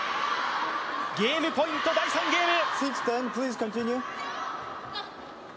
ゲームポイント、第３ゲーム。